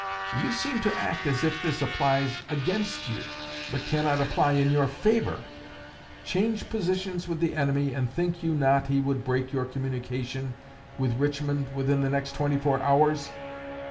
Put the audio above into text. You seem to act as if this applies against you, but cannot apply in your favor. Change positions with the enemy, and think you not he would break your communication with Richmond within the next twenty four hours?